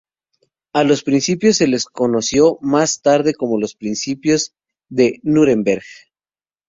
A los principios se les conoció más tarde como los Principios de Núremberg.